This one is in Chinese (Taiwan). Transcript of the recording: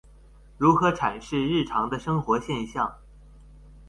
如何闡釋日常的生活現象